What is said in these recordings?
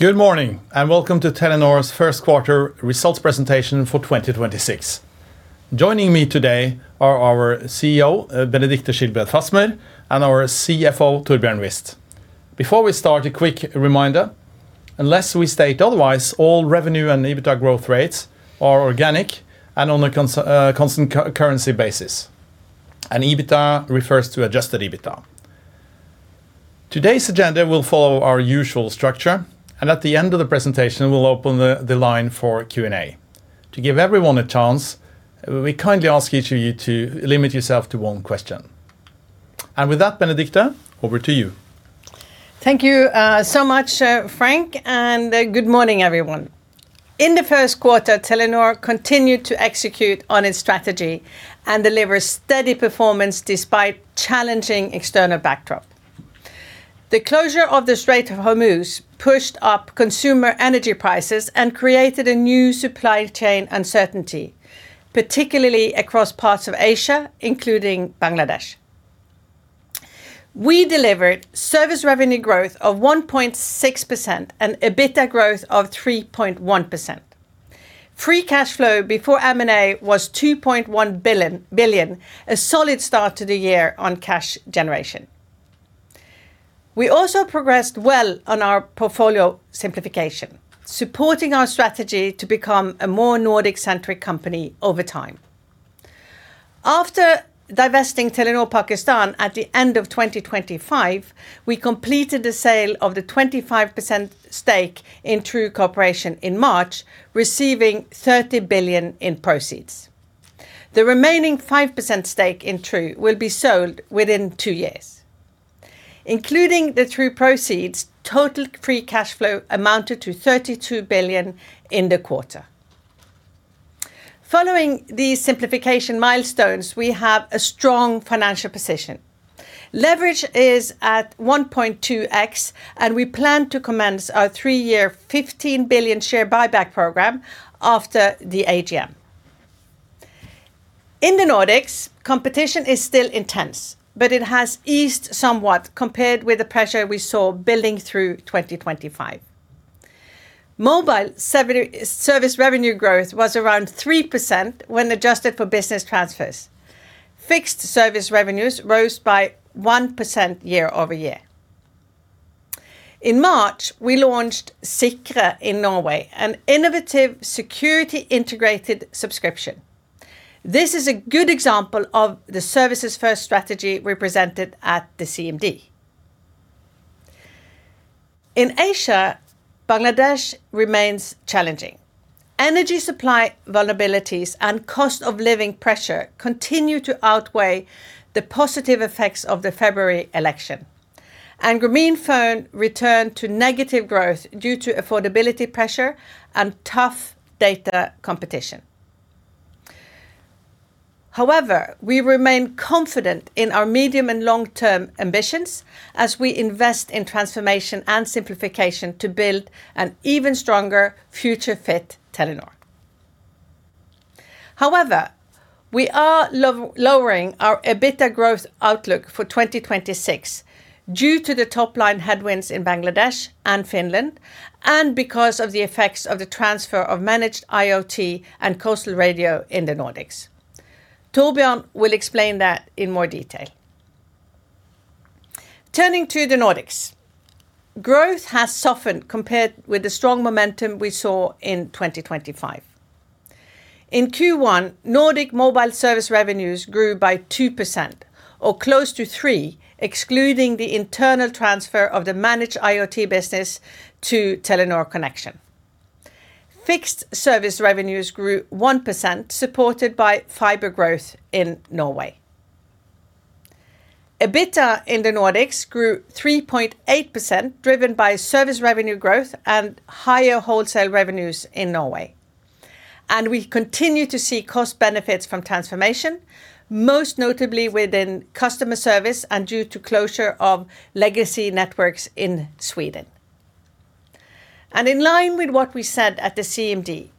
Good morning, and welcome to Telenor's Q1 results presentation for 2026. Joining me today are our CEO, Benedicte Schilbred Fasmer, and our CFO, Torbjørn Wist. Before we start, a quick reminder. Unless we state otherwise, all revenue and EBITDA growth rates are organic and on a constant currency basis. EBITDA refers to adjusted EBITDA. Today's agenda will follow our usual structure, and at the end of the presentation, we'll open the line for Q&A. To give everyone a chance, we kindly ask each of you to limit yourself to one question. With that, Benedicte, over to you. Thank you, so much, Frank, and good morning, everyone. In the Q1, Telenor continued to execute on its strategy and deliver steady performance despite challenging external backdrop. The closure of the Strait of Hormuz pushed up consumer energy prices and created a new supply chain uncertainty, particularly across parts of Asia, including Bangladesh. We delivered service revenue growth of 1.6% and EBITDA growth of 3.1%. Free cash flow before M&A was 2.1 billion, a solid start to the year on cash generation. We also progressed well on our portfolio simplification, supporting our strategy to become a more Nordic-centric company over time. After divesting Telenor Pakistan at the end of 2025, we completed the sale of the 25% stake in True Corporation in March, receiving 30 billion in proceeds. The remaining 5% stake in True will be sold within two years. Including the True proceeds, total free cash flow amounted to 32 billion in the quarter. Following these simplification milestones, we have a strong financial position. Leverage is at 1.2x, and we plan to commence our 3-year, 15 billion share buyback program after the AGM. In the Nordics, competition is still intense, but it has eased somewhat compared with the pressure we saw building through 2025. Mobile service revenue growth was around 3% when adjusted for business transfers. Fixed service revenues rose by 1% year-over-year. In March, we launched Sikre in Norway, an innovative security integrated subscription. This is a good example of the services-first strategy we presented at the CMD. In Asia, Bangladesh remains challenging. Energy supply vulnerabilities and cost of living pressure continue to outweigh the positive effects of the February election, and Grameenphone returned to negative growth due to affordability pressure and tough data competition. However, we remain confident in our medium and long-term ambitions as we invest in transformation and simplification to build an even stronger future-fit Telenor. However, we are lowering our EBITDA growth outlook for 2026 due to the top-line headwinds in Bangladesh and Finland and because of the effects of the transfer of managed IoT and Coastal Radio in the Nordics. Torbjørn will explain that in more detail. Turning to the Nordics, growth has softened compared with the strong momentum we saw in 2025. In Q1, Nordic mobile service revenues grew by 2%, or close to 3%, excluding the internal transfer of the managed IoT business to Telenor Connexion. Fixed service revenues grew 1%, supported by fiber growth in Norway. EBITDA in the Nordics grew 3.8%, driven by service revenue growth and higher wholesale revenues in Norway. We continue to see cost benefits from transformation, most notably within customer service and due to closure of legacy networks in Sweden. In line with what we said at the CMD,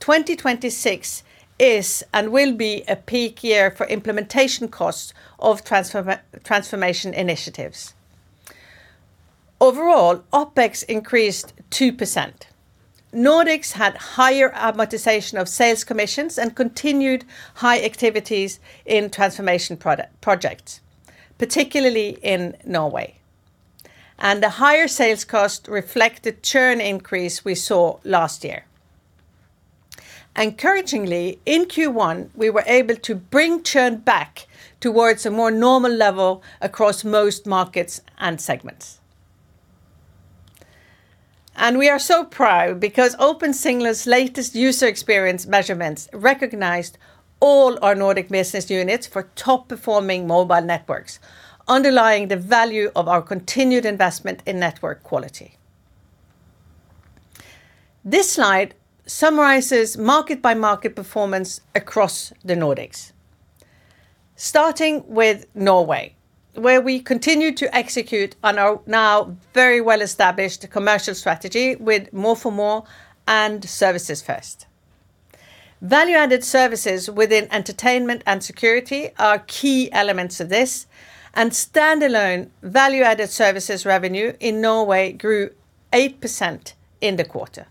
2026 is and will be a peak year for implementation costs of transformation initiatives. Overall, OpEx increased 2%. Nordics had higher amortization of sales commissions and continued high activities in transformation projects, particularly in Norway. The higher sales cost reflected churn increase we saw last year. Encouragingly, in Q1, we were able to bring churn back towards a more normal level across most markets and segments. We are so proud because Opensignal's latest user experience measurements recognized all our Nordic business units for top-performing mobile networks, underlining the value of our continued investment in network quality. This slide summarizes market-by-market performance across the Nordics. Starting with Norway, where we continue to execute on our now very well-established commercial strategy with more for more and services first. Value-added services within entertainment and security are key elements of this, and standalone value-added services revenue in Norway grew 8% in the quarter.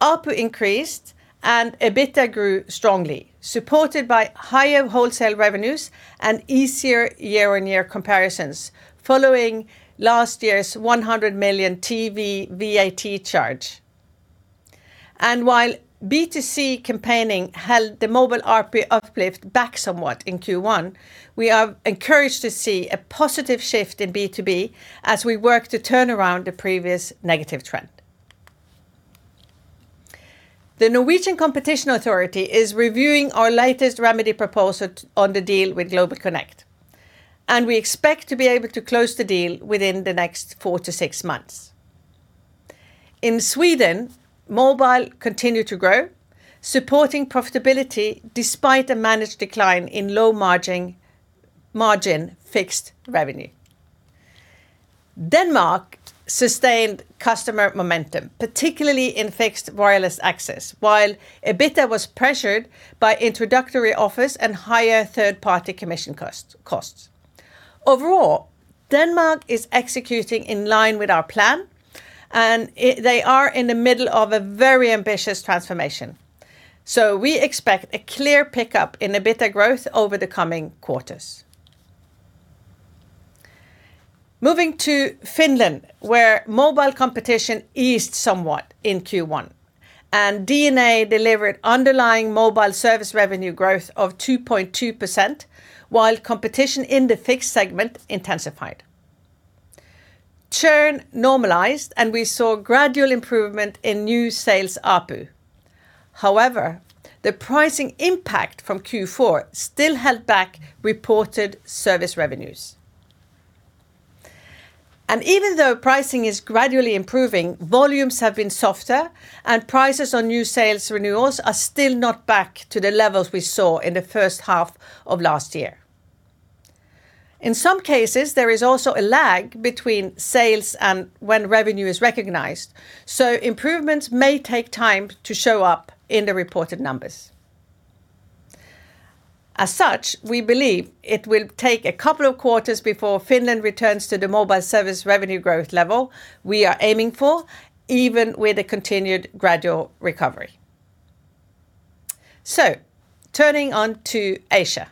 ARPU increased and EBITDA grew strongly, supported by higher wholesale revenues and easier year-on-year comparisons following last year's 100 million TV VAT charge. While B2C campaigning held the mobile ARPU uplift back somewhat in Q1, we are encouraged to see a positive shift in B2B as we work to turn around the previous negative trend. The Norwegian Competition Authority is reviewing our latest remedy proposal on the deal with GlobalConnect, and we expect to be able to close the deal within the next 4-6 months. In Sweden, mobile continued to grow, supporting profitability despite a managed decline in low-margin fixed revenue. Denmark sustained customer momentum, particularly in fixed wireless access, while EBITDA was pressured by introductory offers and higher third-party commission costs. Overall, Denmark is executing in line with our plan, and they are in the middle of a very ambitious transformation, so we expect a clear pickup in EBITDA growth over the coming quarters. Moving to Finland, where mobile competition eased somewhat in Q1, and DNA delivered underlying mobile service revenue growth of 2.2%, while competition in the fixed segment intensified. Churn normalized, and we saw gradual improvement in new sales ARPU. However, the pricing impact from Q4 still held back reported service revenues. Even though pricing is gradually improving, volumes have been softer and prices on new sales renewals are still not back to the levels we saw in the H1 of last year. In some cases, there is also a lag between sales and when revenue is recognized, so improvements may take time to show up in the reported numbers. As such, we believe it will take a couple of quarters before Finland returns to the mobile service revenue growth level we are aiming for, even with a continued gradual recovery. Turning to Asia.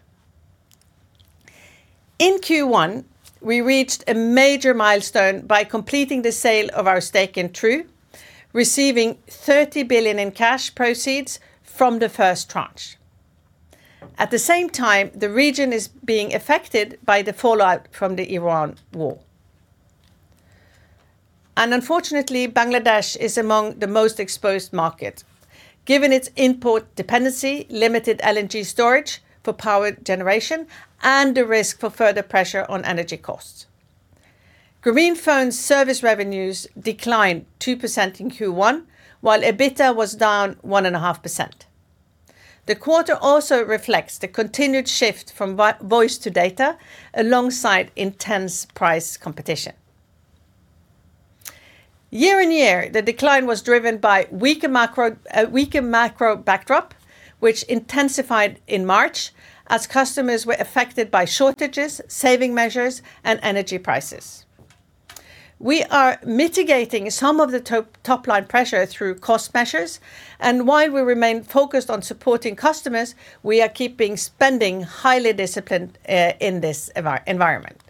In Q1, we reached a major milestone by completing the sale of our stake in True, receiving 30 billion in cash proceeds from the first tranche. At the same time, the region is being affected by the fallout from the Iran war. Unfortunately, Bangladesh is among the most exposed markets, given its import dependency, limited LNG storage for power generation, and the risk for further pressure on energy costs. Grameenphone's service revenues declined 2% in Q1, while EBITDA was down 1.5%. The quarter also reflects the continued shift from voice to data alongside intense price competition. Year-on-year, the decline was driven by weaker macro backdrop, which intensified in March as customers were affected by shortages, saving measures, and energy prices. We are mitigating some of the topline pressure through cost measures, and while we remain focused on supporting customers, we are keeping spending highly disciplined in this environment.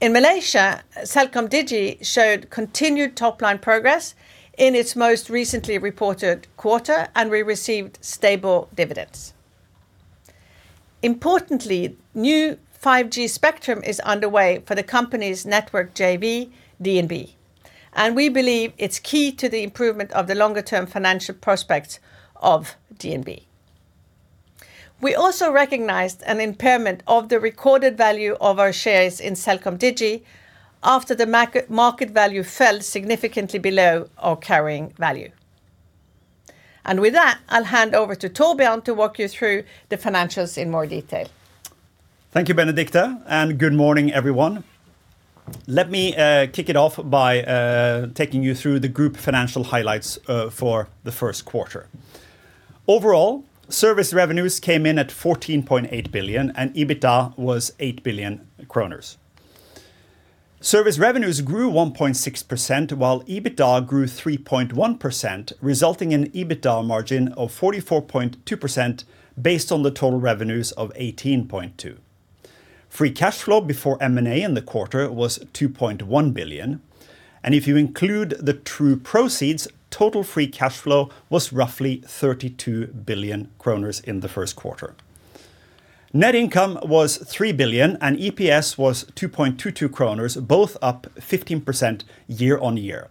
In Malaysia, CelcomDigi showed continued top-line progress in its most recently reported quarter, and we received stable dividends. Importantly, new 5G spectrum is underway for the company's network JV, DNB, and we believe it's key to the improvement of the longer-term financial prospects of DNB. We also recognized an impairment of the recorded value of our shares in CelcomDigi after the market value fell significantly below our carrying value. With that, I'll hand over to Torbjørn to walk you through the financials in more detail. Thank you, Benedicte, and good morning, everyone. Let me kick it off by taking you through the group financial highlights for the Q1. Overall, service revenues came in at 14.8 billion, and EBITDA was 8 billion kroner. Service revenues grew 1.6%, while EBITDA grew 3.1%, resulting in EBITDA margin of 44.2% based on the total revenues of 18.2 billion. Free cash flow before M&A in the quarter was 2.1 billion, and if you include the True proceeds, total free cash flow was roughly 32 billion kroner in the Q1. Net income was 3 billion, and EPS was 2.22 kroner, both up 15% year-on-year.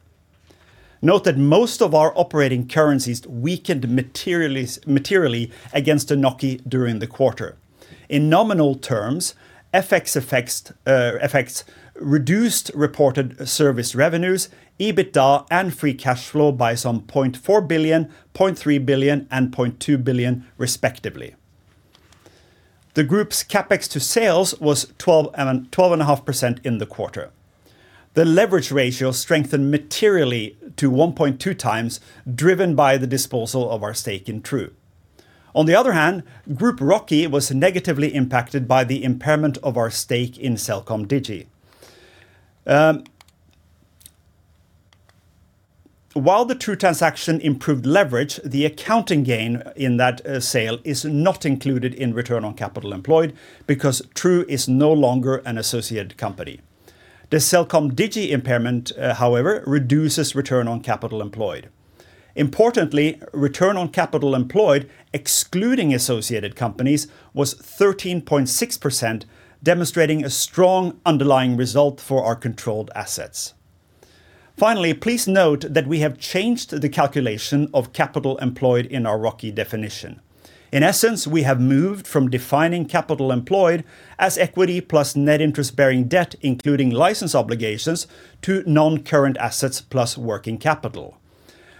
Note that most of our operating currencies weakened materially against the NOK during the quarter. In nominal terms, FX effects reduced reported service revenues, EBITDA, and free cash flow by 0.4 billion, 0.3 billion, and 0.2 billion respectively. The group's CapEx to sales was 12.5% in the quarter. The leverage ratio strengthened materially to 1.2x driven by the disposal of our stake in True. On the other hand, Group ROCE was negatively impacted by the impairment of our stake in CelcomDigi. While the True transaction improved leverage, the accounting gain in that sale is not included in return on capital employed because True is no longer an associated company. The CelcomDigi impairment, however, reduces return on capital employed. Importantly, return on capital employed excluding associated companies was 13.6% demonstrating a strong underlying result for our controlled assets. Finally, please note that we have changed the calculation of capital employed in our ROCE definition. In essence, we have moved from defining capital employed as equity plus net interest-bearing debt, including license obligations to non-current assets plus working capital.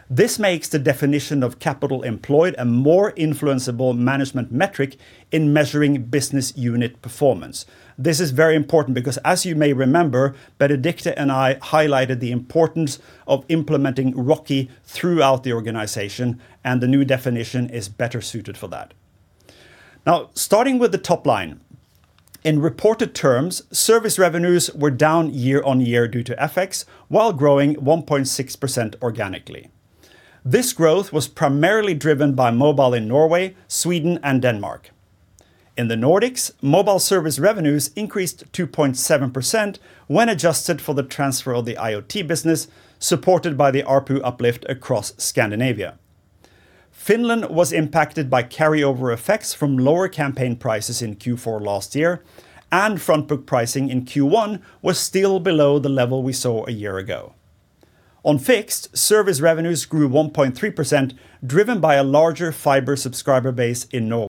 This makes the definition of capital employed a more influenceable management metric in measuring business unit performance. This is very important because as you may remember, Benedicte and I highlighted the importance of implementing ROCE throughout the organization, and the new definition is better suited for that. Now, starting with the top line. In reported terms, service revenues were down year-on-year due to FX, while growing 1.6% organically. This growth was primarily driven by mobile in Norway, Sweden and Denmark. In the Nordics, mobile service revenues increased 2.7% when adjusted for the transfer of the IoT business supported by the ARPU uplift across Scandinavia. Finland was impacted by carry-over effects from lower campaign prices in Q4 last year, and front book pricing in Q1 was still below the level we saw a year ago. On fixed, service revenues grew 1.3% driven by a larger fiber subscriber base in Norway.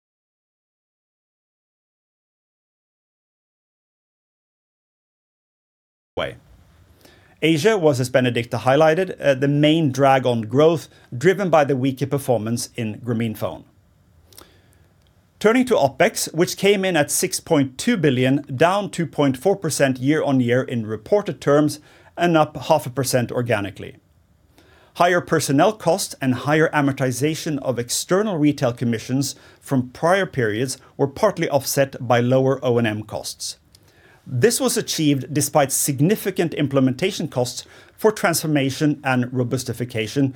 Asia was, as Benedicte highlighted, the main drag on growth driven by the weaker performance in Grameenphone. Turning to OpEx, which came in at 6.2 billion, down 2.4% year-on-year in reported terms and up 0.5% organically. Higher personnel costs and higher amortization of external retail commissions from prior periods were partly offset by lower O&M costs. This was achieved despite significant implementation costs for transformation and robustification,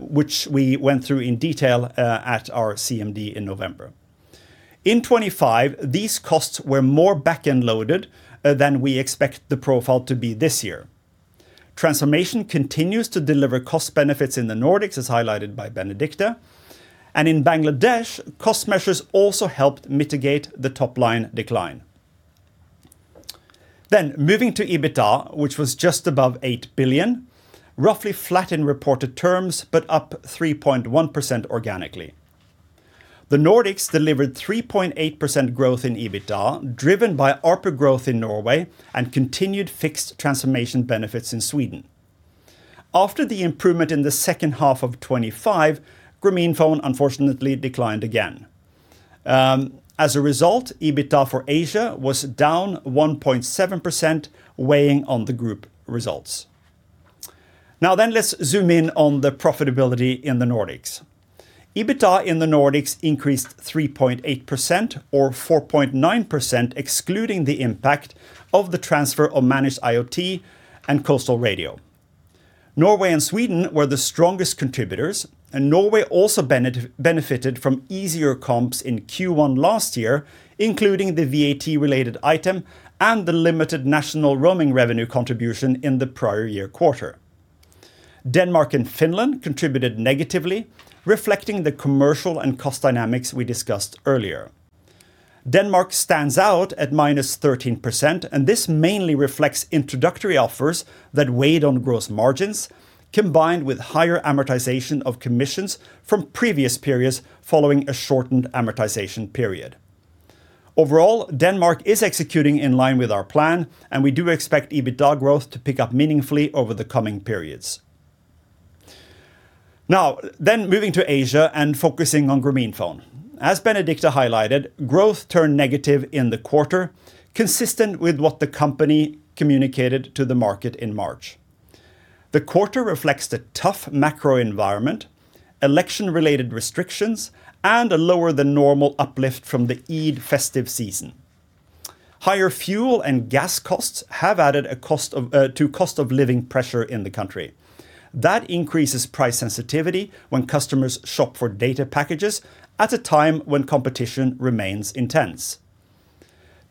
which we went through in detail at our CMD in November. In 2025, these costs were more back-end loaded than we expect the profile to be this year. Transformation continues to deliver cost benefits in the Nordics, as highlighted by Benedicte, and in Bangladesh, cost measures also helped mitigate the top-line decline. Moving to EBITDA, which was just above 8 billion, roughly flat in reported terms, but up 3.1% organically. The Nordics delivered 3.8% growth in EBITDA, driven by ARPU growth in Norway and continued fixed transformation benefits in Sweden. After the improvement in the H2 of 2025, Grameenphone unfortunately declined again. As a result, EBITDA for Asia was down 1.7% weighing on the group results. Let's zoom in on the profitability in the Nordics. EBITDA in the Nordics increased 3.8% or 4.9%, excluding the impact of the transfer of managed IoT and Coastal Radio. Norway and Sweden were the strongest contributors, and Norway also benefited from easier comps in Q1 last year, including the VAT related item and the limited national roaming revenue contribution in the prior year quarter. Denmark and Finland contributed negatively, reflecting the commercial and cost dynamics we discussed earlier. Denmark stands out at -13%, and this mainly reflects introductory offers that weighed on gross margins, combined with higher amortization of commissions from previous periods following a shortened amortization period. Overall, Denmark is executing in line with our plan, and we do expect EBITDA growth to pick up meaningfully over the coming periods. Moving to Asia and focusing on Grameenphone. As Benedicte highlighted, growth turned negative in the quarter, consistent with what the company communicated to the market in March. The quarter reflects the tough macro environment, election-related restrictions, and a lower than normal uplift from the Eid festive season. Higher fuel and gas costs have added to cost of living pressure in the country. That increases price sensitivity when customers shop for data packages at a time when competition remains intense.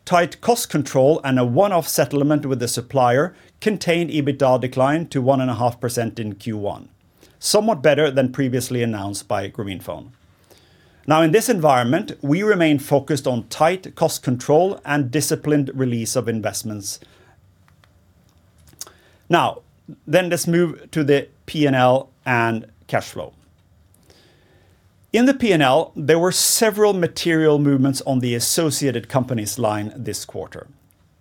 Tight cost control and a one-off settlement with the supplier contained EBITDA decline to 1.5% in Q1, somewhat better than previously announced by Grameenphone. In this environment, we remain focused on tight cost control and disciplined release of investments. Let's move to the P&L and cash flow. In the P&L, there were several material movements on the associated companies line this quarter.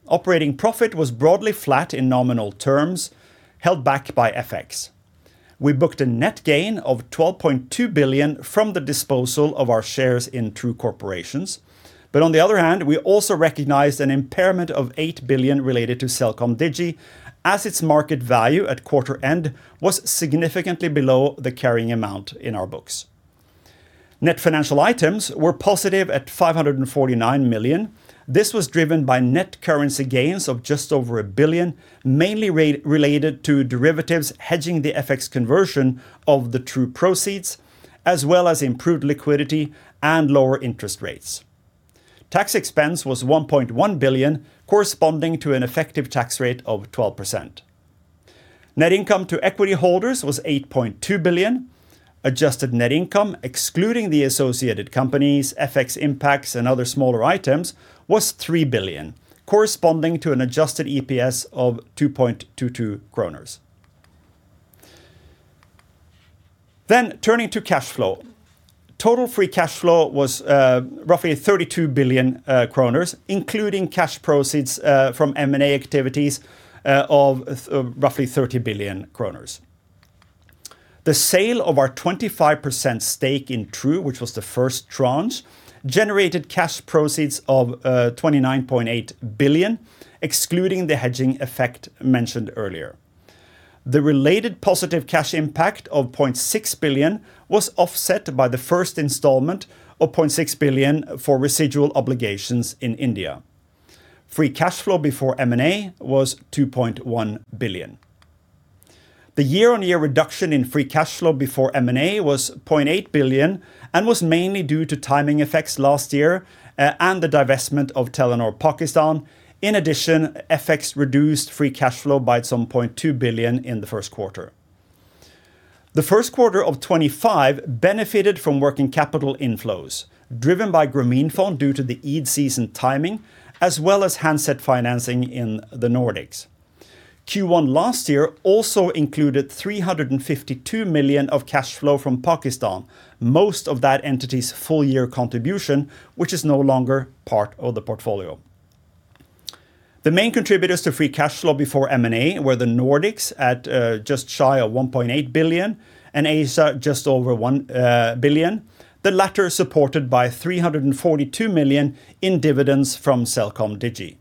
Operating profit was broadly flat in nominal terms, held back by FX. We booked a net gain of 12.2 billion from the disposal of our shares in True Corporation. On the other hand, we also recognized an impairment of 8 billion related to CelcomDigi as its market value at quarter end was significantly below the carrying amount in our books. Net financial items were positive at 549 million. This was driven by net currency gains of just over 1 billion, mainly related to derivatives hedging the FX conversion of the True proceeds, as well as improved liquidity and lower interest rates. Tax expense was 1.1 billion, corresponding to an effective tax rate of 12%. Net income to equity holders was 8.2 billion. Adjusted net income, excluding the associated companies, FX impacts, and other smaller items, was 3 billion, corresponding to an adjusted EPS of 2.22 kroner. Turning to cash flow. Total free cash flow was roughly 32 billion, kroners, including cash proceeds from M&A activities of roughly 30 billion kroners. The sale of our 25% stake in True, which was the first tranche, generated cash proceeds of 29.8 billion, excluding the hedging effect mentioned earlier. The related positive cash impact of 0.6 billion was offset by the first installment of 0.6 billion for residual obligations in India. Free cash flow before M&A was 2.1 billion. The year-on-year reduction in free cash flow before M&A was 0.8 billion and was mainly due to timing effects last year, and the divestment of Telenor Pakistan. In addition, FX reduced free cash flow by some 0.2 billion in the Q1. The Q1 of 2025 benefited from working capital inflows driven by Grameenphone due to the Eid season timing, as well as handset financing in the Nordics. Q1 last year also included 352 million of cash flow from Pakistan, most of that entity's full year contribution, which is no longer part of the portfolio. The main contributors to free cash flow before M&A were the Nordics at just shy of 1.8 billion and Asia just over 1 billion, the latter supported by 342 million in dividends from CelcomDigi.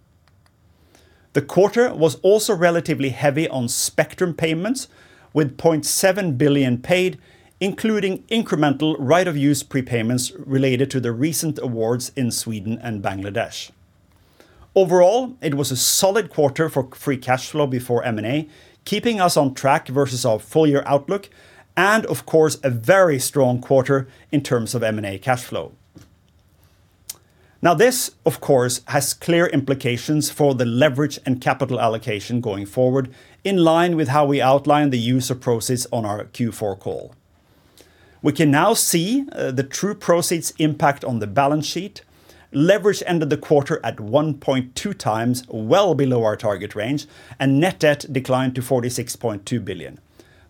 The quarter was also relatively heavy on spectrum payments, with 0.7 billion paid, including incremental right of use prepayments related to the recent awards in Sweden and Bangladesh. Overall, it was a solid quarter for free cash flow before M&A, keeping us on track versus our full year outlook, and of course, a very strong quarter in terms of M&A cash flow. Now this, of course, has clear implications for the leverage and capital allocation going forward, in line with how we outlined the use of proceeds on our Q4 call. We can now see, the true proceeds impact on the balance sheet. Leverage ended the quarter at 1.2 times, well below our target range, and net debt declined to 46.2 billion.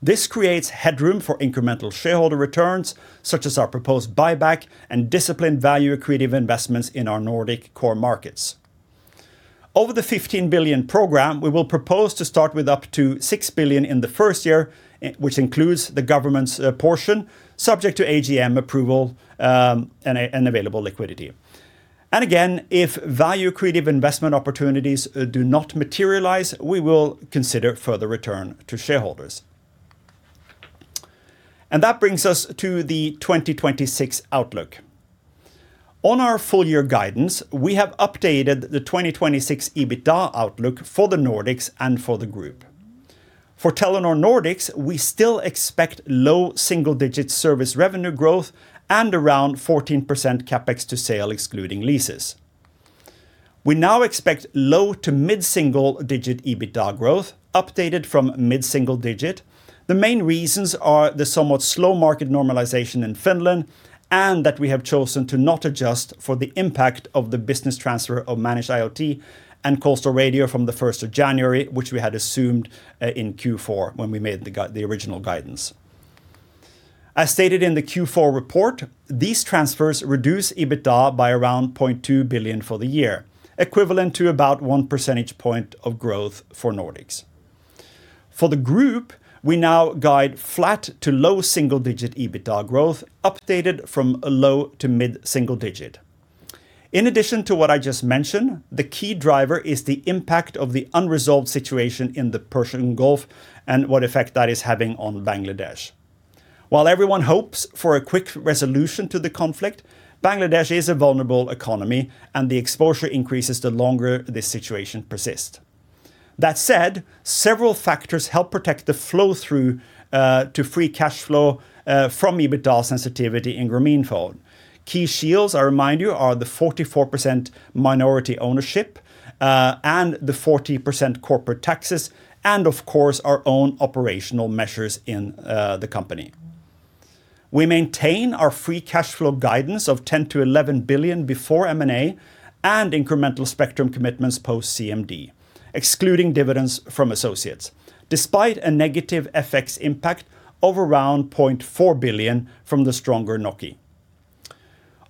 This creates headroom for incremental shareholder returns, such as our proposed buyback and disciplined value accretive investments in our Nordic core markets. Over the 15 billion program, we will propose to start with up to 6 billion in the first year, which includes the government's portion subject to AGM approval, and available liquidity. Again, if value accretive investment opportunities do not materialize, we will consider further return to shareholders. That brings us to the 2026 outlook. On our full year guidance, we have updated the 2026 EBITDA outlook for the Nordics and for the group. For Telenor Nordics, we still expect low single-digit service revenue growth and around 14% CapEx to sales excluding leases. We now expect low- to mid-single-digit EBITDA growth updated from mid-single-digit. The main reasons are the somewhat slow market normalization in Finland, and that we have chosen to not adjust for the impact of the business transfer of managed IoT and Coastal Radio from the first of January, which we had assumed in Q4 when we made the original guidance. As stated in the Q4 report, these transfers reduce EBITDA by around 0.2 billion for the year, equivalent to about one percentage point of growth for Nordics. For the group, we now guide flat to low single-digit EBITDA growth updated from a low to mid single digit. In addition to what I just mentioned, the key driver is the impact of the unresolved situation in the Persian Gulf and what effect that is having on Bangladesh. While everyone hopes for a quick resolution to the conflict, Bangladesh is a vulnerable economy and the exposure increases the longer this situation persist. That said, several factors help protect the flow through to free cash flow from EBITDA sensitivity in Grameenphone. Key shields, I remind you, are the 44% minority ownership and the 40% corporate taxes and of course our own operational measures in the company. We maintain our free cash flow guidance of 10 billion-11 billion before M&A and incremental spectrum commitments post CMD, excluding dividends from associates, despite a negative FX impact of around 0.4 billion from the stronger NOK.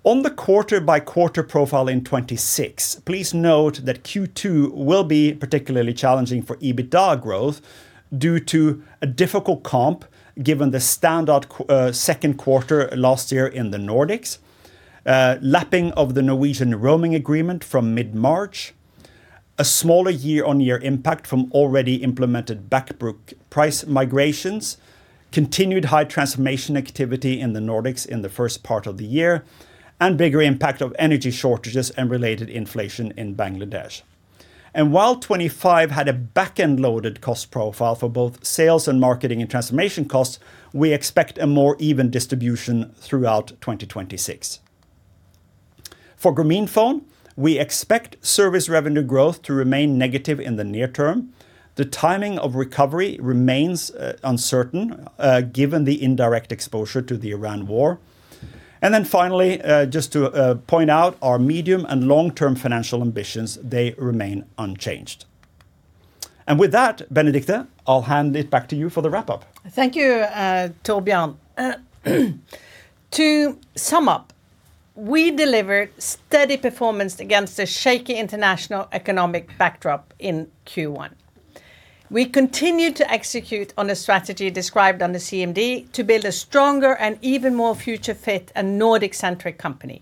On the quarter-by-quarter profile in 2026, please note that Q2 will be particularly challenging for EBITDA growth due to a difficult comp given the standard Q2 last year in the Nordics, lapping of the Norwegian roaming agreement from mid-March, a smaller year-on-year impact from already implemented back book price migrations, continued high transformation activity in the Nordics in the first part of the year, and bigger impact of energy shortages and related inflation in Bangladesh. While 2025 had a back end loaded cost profile for both sales and marketing and transformation costs, we expect a more even distribution throughout 2026. For Grameenphone, we expect service revenue growth to remain negative in the near term. The timing of recovery remains uncertain, given the indirect exposure to the Iran war. Finally, just to point out our medium and long-term financial ambitions, they remain unchanged. With that, Benedicte, I'll hand it back to you for the wrap-up. Thank you, Torbjørn. To sum up, we delivered steady performance against a shaky international economic backdrop in Q1. We continued to execute on a strategy described on the CMD to build a stronger and even more future fit and Nordic-centric company.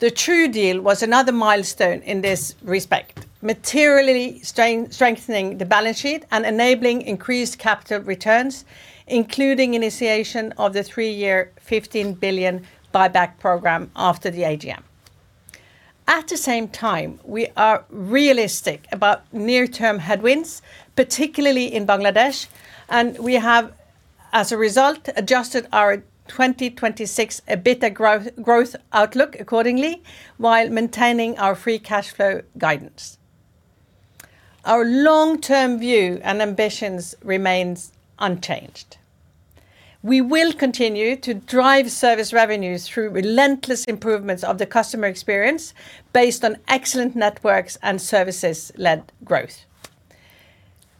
The True deal was another milestone in this respect, materially strengthening the balance sheet and enabling increased capital returns, including initiation of the three-year 15 billion buyback program after the AGM. At the same time, we are realistic about near-term headwinds, particularly in Bangladesh, and we have, as a result, adjusted our 2026 EBITDA growth outlook accordingly, while maintaining our free cash flow guidance. Our long-term view and ambitions remains unchanged. We will continue to drive service revenues through relentless improvements of the customer experience based on excellent networks and services-led growth.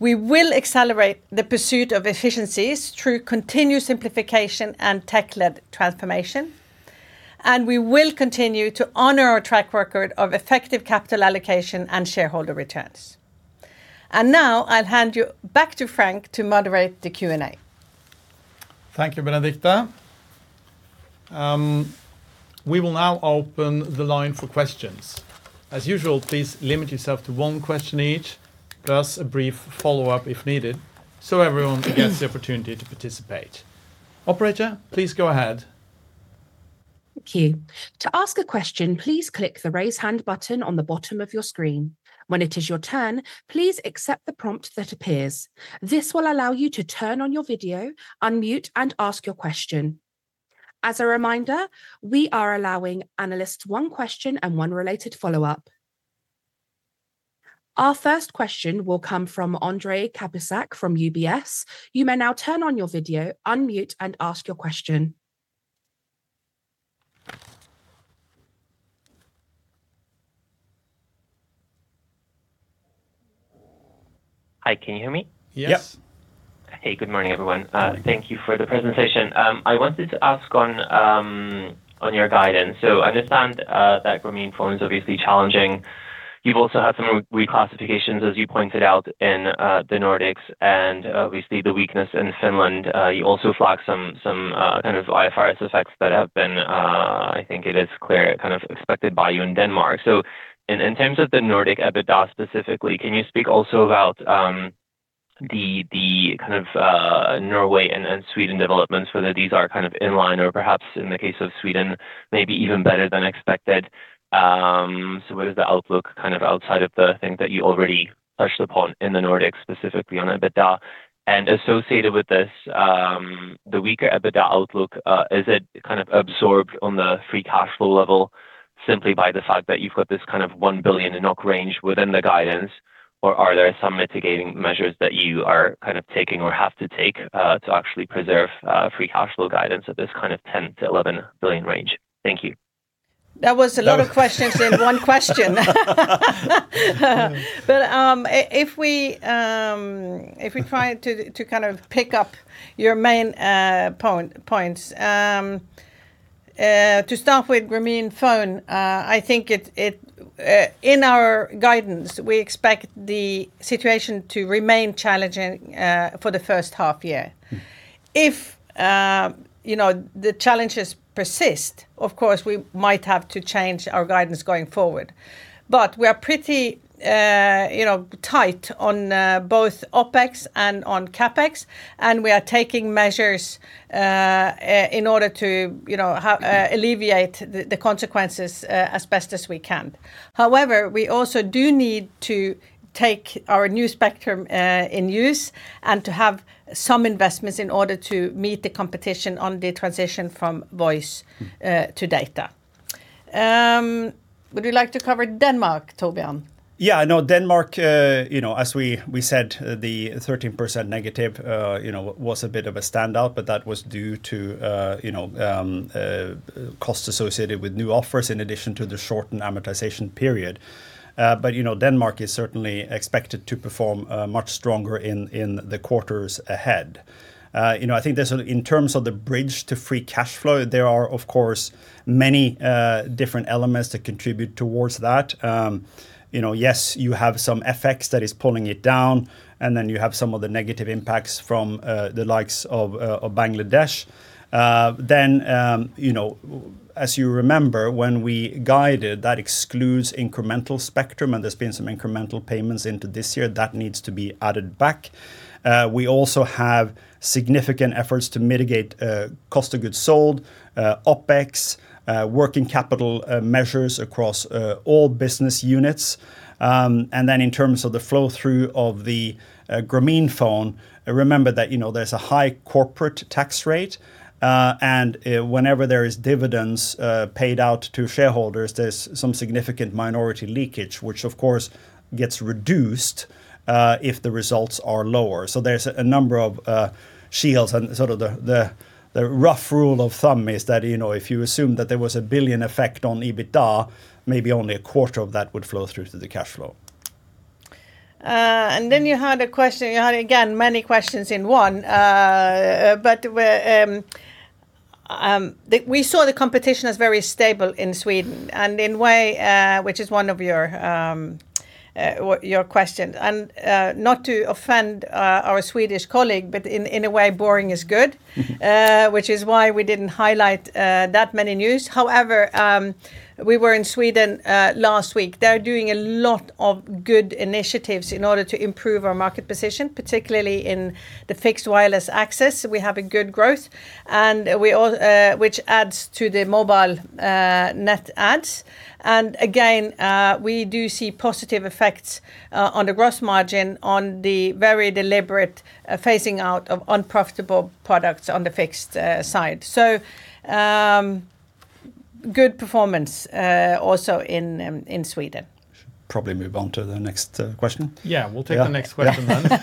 We will accelerate the pursuit of efficiencies through continued simplification and tech-led transformation, and we will continue to honor our track record of effective capital allocation and shareholder returns. Now I'll hand you back to Frank to moderate the Q&A. Thank you, Benedicte. We will now open the line for questions. As usual, please limit yourself to one question each, plus a brief follow-up if needed, so everyone gets the opportunity to participate. Operator, please go ahead. Thank you. To ask a question, please click the Raise Hand button on the bottom of your screen. When it is your turn, please accept the prompt that appears. This will allow you to turn on your video, unmute, and ask your question. As a reminder, we are allowing analysts one question and one related follow-up. Our first question will come from Andrew Kapisak from UBS. You may now turn on your video, unmute, and ask your question. Hi, can you hear me? Yes. Yep. Hey, good morning, everyone. Thank you for the presentation. I wanted to ask on your guidance. I understand that Grameenphone is obviously challenging. You've also had some reclassifications, as you pointed out in the Nordics and obviously the weakness in Finland. You also flagged some kind of IFRS effects that have been, I think it is clear, kind of expected by you in Denmark. In terms of the Nordic EBITDA specifically, can you speak also about the kind of Norway and Sweden developments, whether these are kind of in line or perhaps in the case of Sweden, maybe even better than expected. What is the outlook kind of outside of the things that you already touched upon in the Nordics, specifically on EBITDA? Associated with this, the weaker EBITDA outlook, is it kind of absorbed on the free cash flow level simply by the fact that you've got this kind of 1 billion NOK range within the guidance, or are there some mitigating measures that you are kind of taking or have to take, to actually preserve, free cash flow guidance at this kind of 10 billion-11 billion range? Thank you. That was a lot of questions in one question. If we try to kind of pick up your main points to start with Grameenphone, I think in our guidance, we expect the situation to remain challenging for the H1 year. If, you know, the challenges persist, of course, we might have to change our guidance going forward. We are pretty, you know, tight on both OpEx and on CapEx, and we are taking measures in order to, you know, alleviate the consequences as best as we can. However, we also do need to take our new spectrum in use and to have some investments in order to meet the competition on the transition from voice to data. Would you like to cover Denmark, Torbjørn? Yeah, no, Denmark, you know, as we said, the 13% negative was a bit of a standout, but that was due to cost associated with new offers in addition to the shortened amortization period. You know, Denmark is certainly expected to perform much stronger in the quarters ahead. You know, in terms of the bridge to free cash flow, there are, of course, many different elements that contribute towards that. You know, yes, you have some FX that is pulling it down, and then you have some of the negative impacts from the likes of Bangladesh. You know, as you remember, when we guided, that excludes incremental spectrum, and there's been some incremental payments into this year that needs to be added back. We also have significant efforts to mitigate cost of goods sold, OpEx, working capital measures across all business units. In terms of the flow through of the Grameenphone, remember that you know, there's a high corporate tax rate, and whenever there is dividends paid out to shareholders, there's some significant minority leakage, which of course gets reduced if the results are lower. There's a number of shields and sort of the rough rule of thumb is that, you know, if you assume that there was a 1 billion effect on EBITDA, maybe only a quarter of that would flow through to the cash flow. You had a question. You had, again, many questions in one. We saw the competition as very stable in Sweden and in a way, which is one of your questions. Not to offend our Swedish colleague, but in a way, boring is good. Which is why we didn't highlight that many news. However, we were in Sweden last week. They're doing a lot of good initiatives in order to improve our market position, particularly in the fixed wireless access. We have a good growth, which adds to the mobile net adds. Again, we do see positive effects on the gross margin on the very deliberate phasing out of unprofitable products on the fixed side. Good performance also in Sweden. Probably move on to the next question. Yeah. Yeah. We'll take the next question then.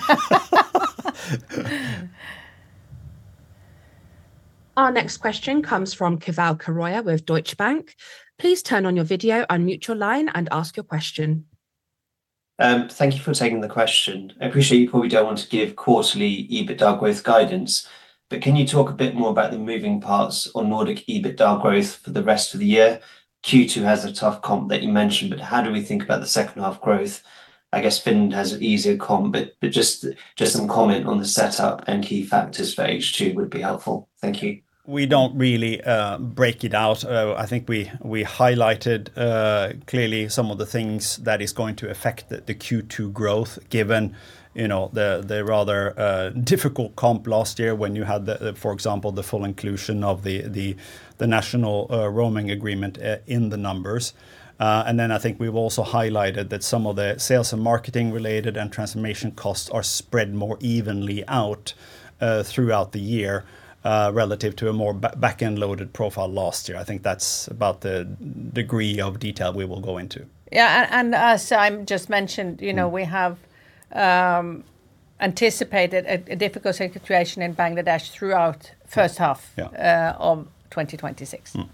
Our next question comes from Keval Khiroya with Deutsche Bank. Please turn on your video, unmute your line, and ask your question. Thank you for taking the question. I appreciate you probably don't want to give quarterly EBITDA growth guidance, but can you talk a bit more about the moving parts on Nordic EBITDA growth for the rest of the year? Q2 has a tough comp that you mentioned, but how do we think about the H2 growth? I guess Finland has an easier comp, but just some comment on the setup and key factors for H2 would be helpful. Thank you. We don't really break it out. I think we highlighted clearly some of the things that is going to affect the Q2 growth, given you know the rather difficult comp last year when you had the for example the full inclusion of the national roaming agreement in the numbers. I think we've also highlighted that some of the sales and marketing related and transformation costs are spread more evenly out throughout the year relative to a more back-end loaded profile last year. I think that's about the degree of detail we will go into. Yeah, as I just mentioned. Mm-hmm you know, we have anticipated a difficult situation in Bangladesh throughout H1. Yeah... uh, of twenty twenty-six. Mm.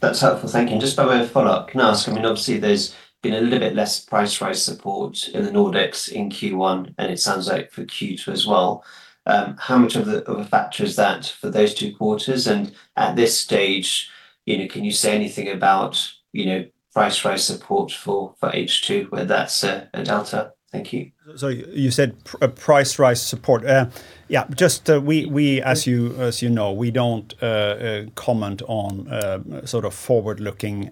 That's helpful. Thank you. Just by way of follow-up, can I ask? I mean, obviously there's been a little bit less price rise support in the Nordics in Q1, and it sounds like for Q2 as well. How much of a factor is that for those two quarters? At this stage, you know, can you say anything about, you know, price rise support for H2, whether that's a delta? Thank you. You said a price rise support. Yeah, just, as you know, we don't comment on sort of forward-looking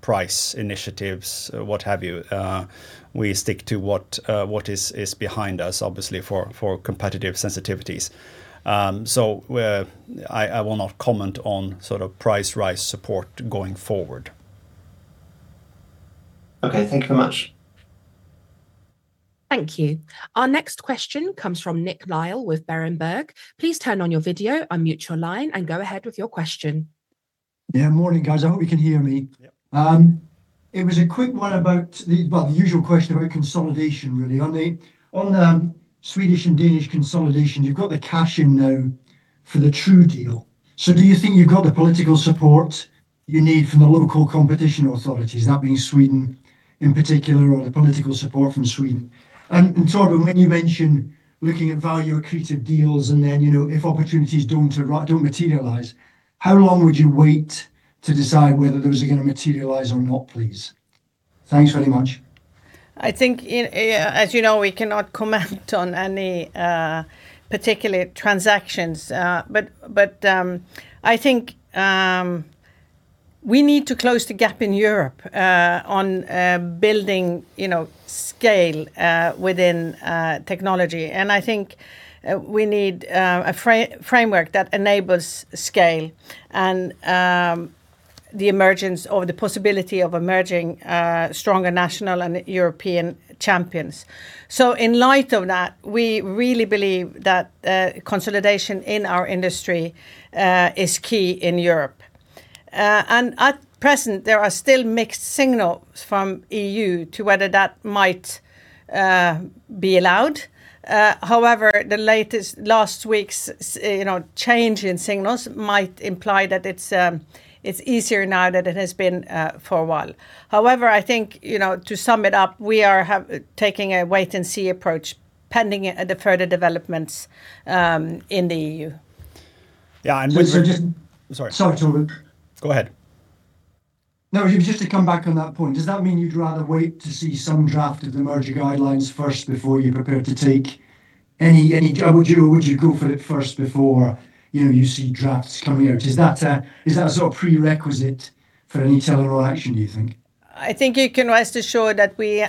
price initiatives, what have you. We stick to what is behind us, obviously for competitive sensitivities. I will not comment on sort of price rise support going forward. Okay. Thank you very much. Thank you. Our next question comes from Nick Lyall with Berenberg. Please turn on your video, unmute your line, and go ahead with your question. Yeah. Morning, guys. I hope you can hear me. Yep. It was a quick one about the well, the usual question about consolidation really. On the Swedish and Danish consolidation, you've got the cash in now for the True deal. Do you think you've got the political support you need from the local competition authorities, that being Sweden in particular, or the political support from Sweden? Torbjørn, when you mention looking at value accretive deals and then, you know, if opportunities don't materialize, how long would you wait to decide whether those are gonna materialize or not, please? Thanks very much. I think in, as you know, we cannot comment on any particular transactions. But I think we need to close the gap in Europe on building, you know, scale within technology. I think we need a framework that enables scale and the emergence or the possibility of emerging stronger national and European champions. In light of that, we really believe that consolidation in our industry is key in Europe. At present, there are still mixed signals from the EU as to whether that might be allowed. However, last week's, you know, change in signals might imply that it's easier now than it has been for a while. However, I think, you know, to sum it up, we are taking a wait and see approach pending the further developments in the EU. Yeah, with So just- Sorry. Sorry, Torbjørn. Go ahead. No, if you just want to come back on that point, does that mean you'd rather wait to see some draft of the merger guidelines first before you're prepared to take any action? Would you go for it first before, you know, you see drafts coming out? Is that a sort of prerequisite for any Tele2 action, do you think? I think you can rest assured that we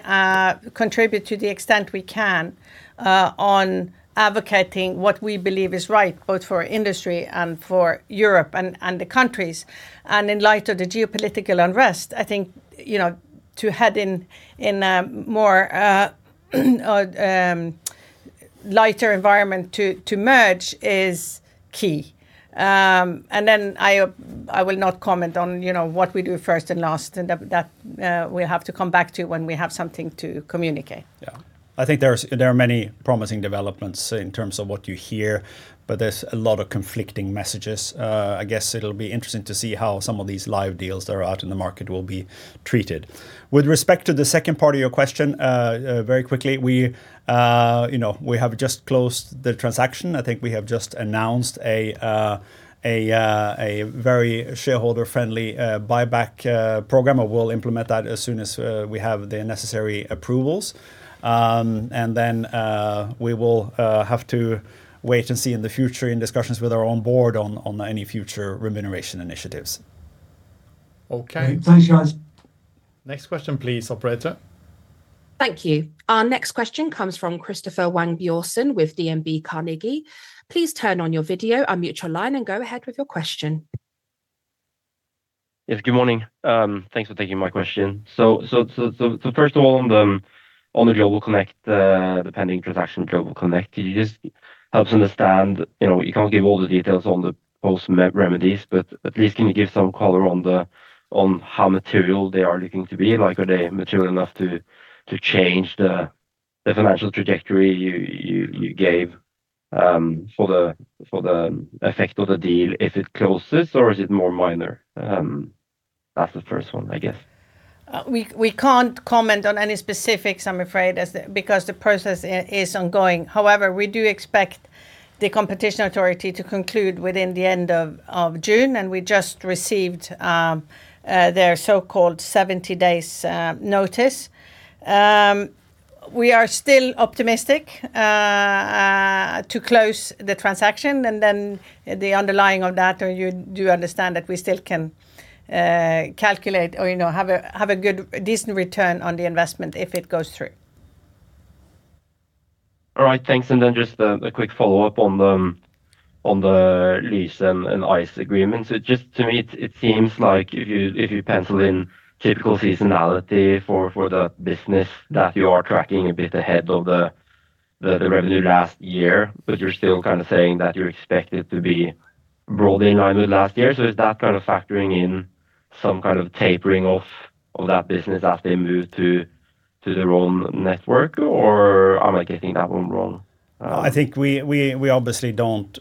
contribute to the extent we can on advocating what we believe is right, both for industry and for Europe and the countries. In light of the geopolitical unrest, I think, you know, to head in a more lighter environment to merge is key. I will not comment on, you know, what we do first and last. That we'll have to come back to when we have something to communicate. Yeah. I think there are many promising developments in terms of what you hear, but there's a lot of conflicting messages. I guess it'll be interesting to see how some of these live deals that are out in the market will be treated. With respect to the second part of your question, very quickly, we, you know, we have just closed the transaction. I think we have just announced a very shareholder-friendly buyback program, and we'll implement that as soon as we have the necessary approvals. We will have to wait and see in the future in discussions with our own board on any future remuneration initiatives. Okay. Thanks, guys. Next question, please, operator. Thank you. Our next question comes from Kristoffer Wang Bjørnås with DNB Carnegie. Please turn on your video, unmute your line, and go ahead with your question. Yes, good morning. Thanks for taking my question. First of all, on the GlobalConnect, the pending transaction GlobalConnect, it just helps understand. You know, you can't give all the details on the post-merger remedies, but at least can you give some color on how material they are looking to be? Like, are they material enough to change the financial trajectory you gave for the effect of the deal if it closes, or is it more minor? That's the first one, I guess. We can't comment on any specifics, I'm afraid, because the process is ongoing. However, we do expect the competition authority to conclude within the end of June, and we just received their so-called 70 days notice. We are still optimistic to close the transaction, and then the underlying of that, you do understand that we still can calculate or, you know, have a good, decent return on the investment if it goes through. All right. Thanks. Just a quick follow-up on the Lyse and ice agreement. Just to me, it seems like if you pencil in typical seasonality for the business that you are tracking a bit ahead of the revenue last year, but you're still kind of saying that you expect it to be broadly in line with last year. Is that kind of factoring in some kind of tapering off of that business as they move to their own network, or am I getting that one wrong? I think we obviously don't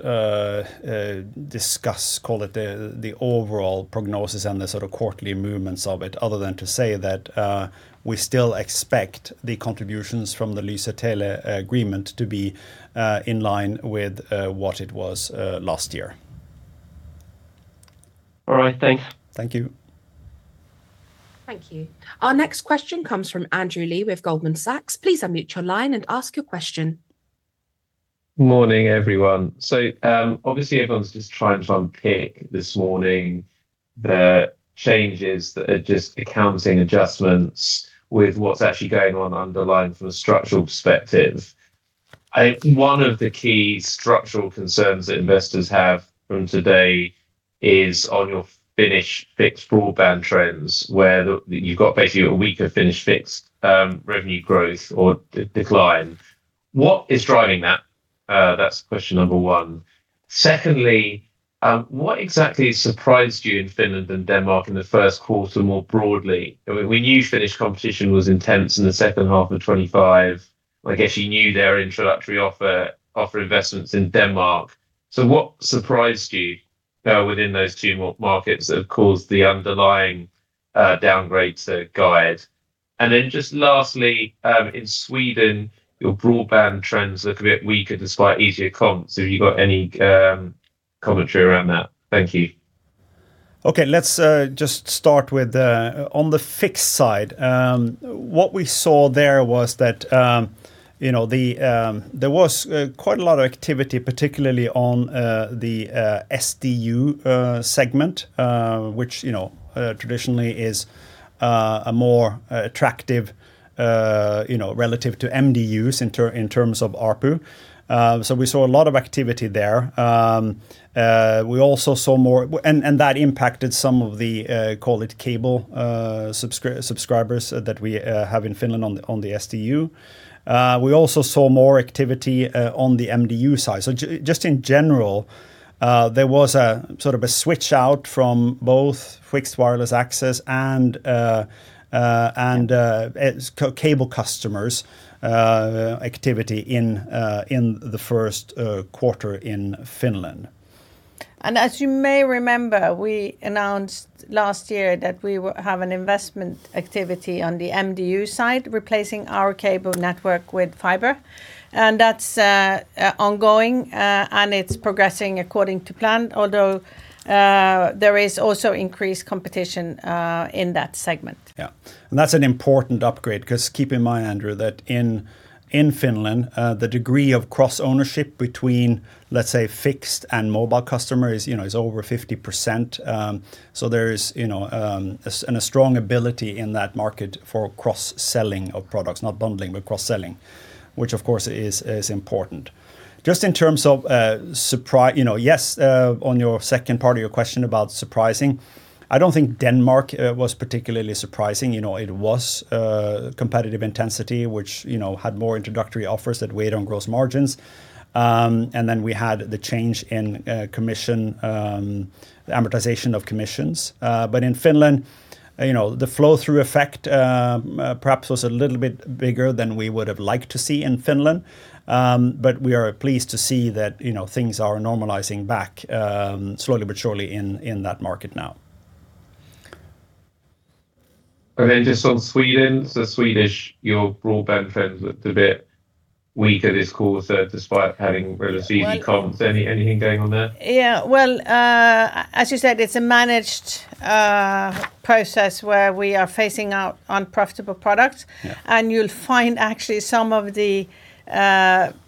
discuss, call it, the overall prognosis and the sort of quarterly movements of it other than to say that we still expect the contributions from the Lyse Tele agreement to be in line with what it was last year. All right. Thanks. Thank you. Thank you. Our next question comes from Andrew Lee with Goldman Sachs. Please unmute your line and ask your question. Morning, everyone. Obviously, everyone's just trying to unpick this morning the changes that are just accounting adjustments with what's actually going on underlying from a structural perspective. I think one of the key structural concerns that investors have from today is on your Finnish fixed broadband trends, where you've got basically a weaker Finnish fixed revenue growth or decline. What is driving that? That's question number one. Secondly, what exactly surprised you in Finland and Denmark in the Q1 more broadly? I mean, we knew Finnish competition was intense in the H2 of 2025. I guess you knew their introductory offers and investments in Denmark. What surprised you within those two markets that have caused the underlying downgrade to guidance? Just lastly, in Sweden, your broadband trends look a bit weaker despite easier comps. Have you got any commentary around that? Thank you. Okay, let's just start with on the fixed side. What we saw there was that you know there was quite a lot of activity, particularly on the SDU segment, which you know traditionally is a more attractive you know relative to MDUs in terms of ARPU. We saw a lot of activity there. We also saw more. And that impacted some of the call it cables subscribers that we have in Finland on the SDU. We also saw more activity on the MDU side. Just in general there was a sort of a switch out from both fixed wireless access and cable customers activity in the Q1 in Finland. As you may remember, we announced last year that we have an investment activity on the MDU side, replacing our cable network with fiber. That's ongoing, and it's progressing according to plan, although there is also increased competition in that segment. Yeah. That's an important upgrade, 'cause keep in mind, Andrew, that in Finland, the degree of cross-ownership between, let's say, fixed and mobile customer is, you know, over 50%. So there's, you know, and a strong ability in that market for cross-selling of products. Not bundling, but cross-selling, which of course is important. Just in terms of surprising. You know, yes, on your second part of your question about surprising. I don't think Denmark was particularly surprising. You know, it was competitive intensity, which, you know, had more introductory offers that weighed on gross margins. And then we had the change in commission, the amortization of commissions. In Finland, you know, the flow-through effect perhaps was a little bit bigger than we would've liked to see in Finland. We are pleased to see that, you know, things are normalizing back, slowly but surely in that market now. Just on Sweden. Swedish, your broadband trends looked a bit weaker this quarter, despite having really easy comps. Anything going on there? Yeah. Well, as you said, it's a managed process where we are phasing out unprofitable products. Yeah. You'll find actually some of the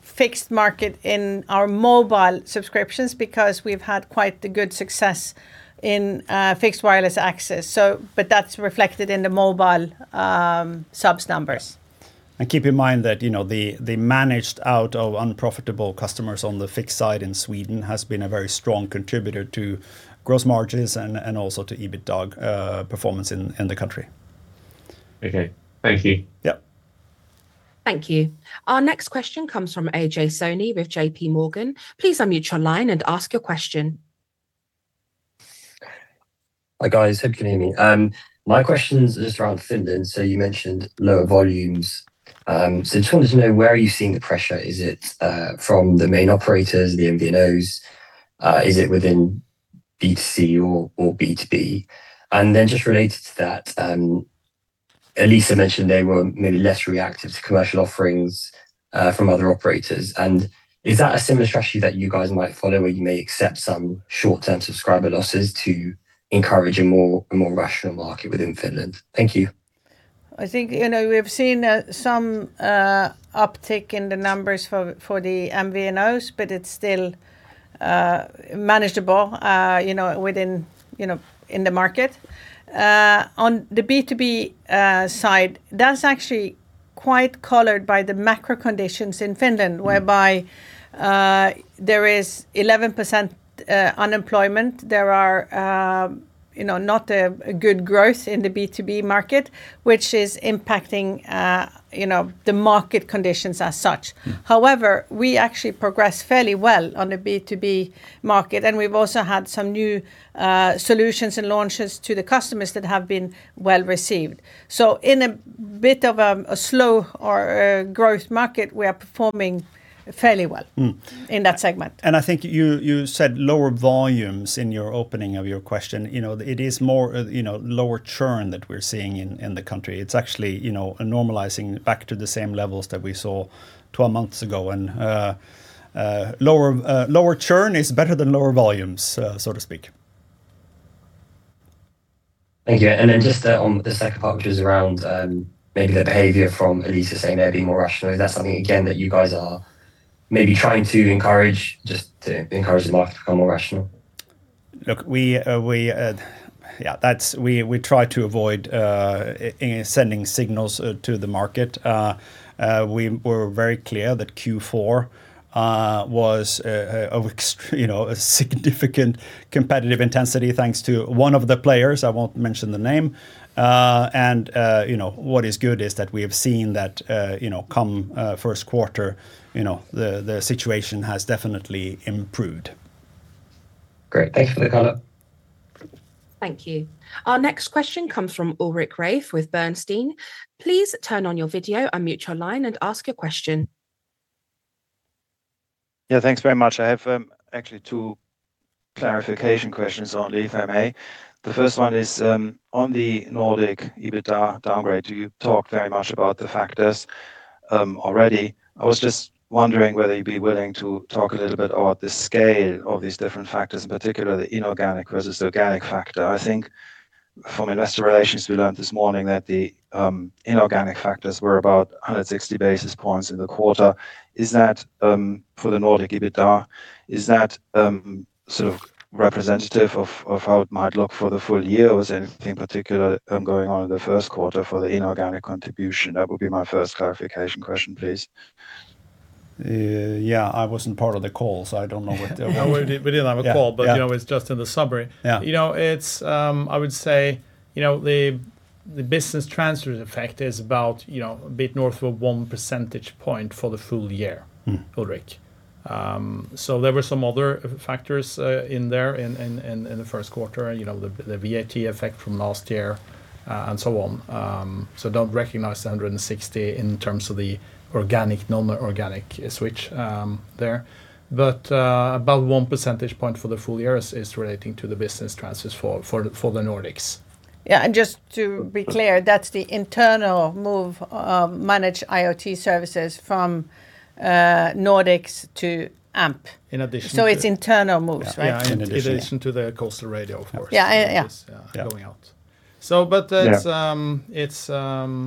fixed market in our mobile subscriptions because we've had quite the good success in fixed wireless access, but that's reflected in the mobile subs numbers. Yeah. Keep in mind that, you know, the managed out of unprofitable customers on the fixed side in Sweden has been a very strong contributor to gross margins and also to EBITDA performance in the country. Okay. Thank you. Yeah. Thank you. Our next question comes from Ajay Soni with JP Morgan. Please unmute your line and ask your question. Hi, guys. Hope you can hear me. My question's just around Finland. You mentioned lower volumes. Just wanted to know where are you seeing the pressure? Is it from the main operators, the MVNOs? Is it within B2C or B2B? Just related to that, Elisa mentioned they were maybe less reactive to commercial offerings from other operators. Is that a similar strategy that you guys might follow, where you may accept some short-term subscriber losses to encourage a more rational market within Finland? Thank you. I think, you know, we have seen some uptick in the numbers for the MVNOs, but it's still manageable, you know, within, you know, in the market. On the B2B side, that's actually quite clouded by the macro conditions in Finland. Mm-hmm whereby there is 11% unemployment. There are, you know, not a good growth in the B2B market, which is impacting, you know, the market conditions as such. Mm. However, we actually progress fairly well on the B2B market, and we've also had some new solutions and launches to the customers that have been well-received. In a bit of a slow or a growth market, we are performing fairly well- Mm in that segment. I think you said lower volumes in your opening of your question. You know, it is more, you know, lower churn that we're seeing in the country. It's actually, you know, a normalizing back to the same levels that we saw 12 months ago, and lower churn is better than lower volumes, so to speak. Thank you. Just, on the second part, which is around, maybe the behavior from Elisa saying they're being more rational. Is that something again that you guys are maybe trying to encourage, just to encourage the market to become more rational? Look, we try to avoid sending signals to the market. We were very clear that Q4 was, you know, a significant competitive intensity, thanks to one of the players. I won't mention the name. What is good is that we have seen that, you know, come Q1, you know, the situation has definitely improved. Great. Thank you for the color. Thank you. Our next question comes from Ulrich Rathe with Bernstein. Please turn on your video, unmute your line, and ask your question. Yeah, thanks very much. I have actually two clarification questions only, if I may. The first one is on the Nordic EBITDA downgrade. You talked very much about the factors. Already I was just wondering whether you'd be willing to talk a little bit about the scale of these different factors, in particular the inorganic versus organic factor. I think from investor relations we learned this morning that the inorganic factors were about 160 basis points in the quarter. Is that for the Nordic EBITDA sort of representative of how it might look for the full year? Or was anything particular going on in the Q1 for the inorganic contribution? That would be my first clarification question, please. Yeah, I wasn't part of the call, so I don't know. We didn't have a call. Yeah, yeah. You know, it's just in the summary. Yeah. You know, it's, I would say, you know, the business transfer effect is about, you know, a bit north of one percentage point for the full year. Mm. There were some other factors in there in the Q1. You know, the VAT effect from last year and so on. Don't recognize the 160 in terms of the organic, normal organic switch there. About one percentage point for the full year is relating to the business transfers for the Nordics. Yeah, just to be clear, that's the internal move of managed IoT services from Nordics to AMP. In addition to... It's internal moves, right? Yeah, in addition. Yeah, in addition to the Coastal Radio, of course. Yeah, yeah. Which is going out. Yeah. It's Yeah.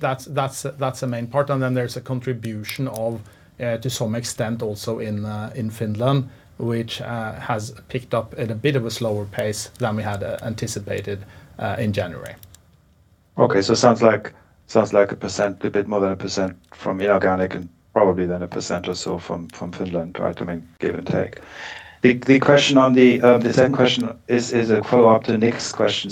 That's the main part. There's a contribution of, to some extent, also in Finland, which has picked up at a bit of a slower pace than we had anticipated in January. Okay. Sounds like a percentage, a bit more than a percent from inorganic and probably then a percent or so from Finland, right? I mean, give or take. The question on the second question is a follow-up to Nick's question.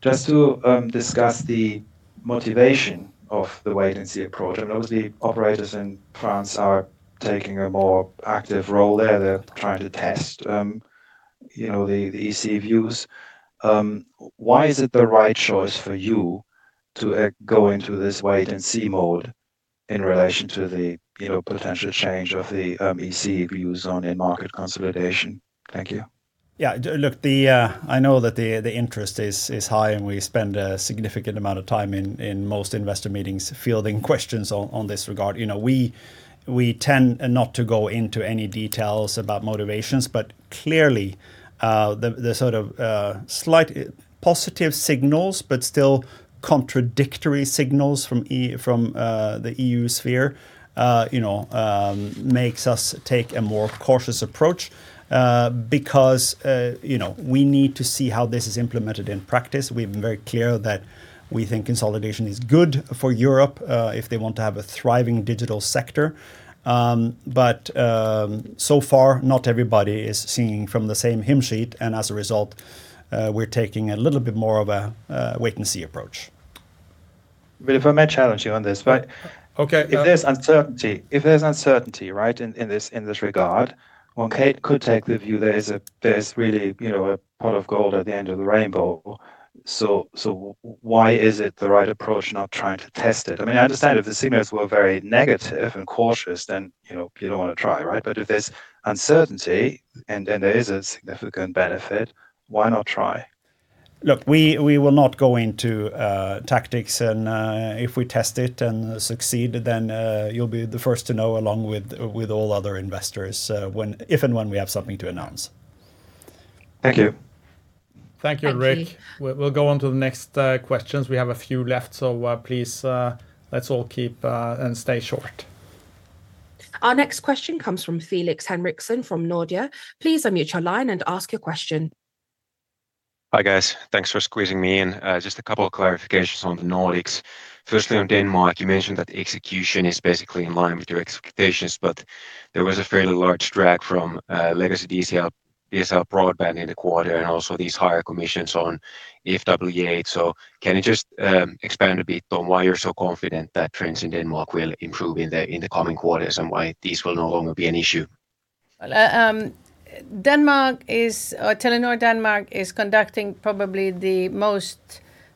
Just to discuss the motivation of the wait-and-see approach. I know the operators in France are taking a more active role there. They're trying to test, you know, the EC views. Why is it the right choice for you to go into this wait-and-see mode in relation to the, you know, potential change of the EC views on in-market consolidation? Thank you. Yeah. Look, I know that the interest is high, and we spend a significant amount of time in most investor meetings fielding questions on this regard. You know, we tend not to go into any details about motivations, but clearly, the sort of slight positive signals but still contradictory signals from the EU sphere, you know, makes us take a more cautious approach, because you know, we need to see how this is implemented in practice. We've been very clear that we think consolidation is good for Europe, if they want to have a thriving digital sector. So far, not everybody is singing from the same hymn sheet, and as a result, we're taking a little bit more of a wait-and-see approach. If I may challenge you on this, right? Okay, yeah. If there's uncertainty, right, in this regard, one could take the view there's really, you know, a pot of gold at the end of the rainbow. So why is it the right approach not trying to test it? I mean, I understand if the signals were very negative and cautious, then, you know, you don't wanna try, right? But if there's uncertainty and there is a significant benefit, why not try? Look, we will not go into tactics. If we test it and succeed, then you'll be the first to know along with all other investors, if and when we have something to announce. Thank you. Thank you, Ulrich. Thank you. We'll go on to the next questions. We have a few left, so please, let's all keep and stay short. Our next question comes from Felix Henriksson from Nordea. Please unmute your line and ask your question. Hi, guys. Thanks for squeezing me in. Just a couple of clarifications on the Nordics. Firstly, on Denmark, you mentioned that execution is basically in line with your expectations, but there was a fairly large drag from legacy DSL broadband in the quarter and also these higher commissions on FWA. Can you just expand a bit on why you're so confident that trends in Denmark will improve in the coming quarters and why these will no longer be an issue? Well, Telenor Denmark is conducting probably the most